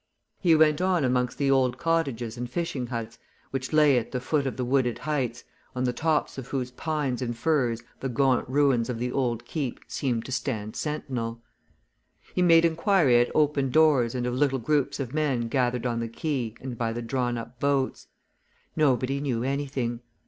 He went on amongst the old cottages and fishing huts which lay at the foot of the wooded heights on the tops of whose pines and firs the gaunt ruins of the old Keep seemed to stand sentinel. He made inquiry at open doors and of little groups of men gathered on the quay and by the drawn up boats nobody knew anything.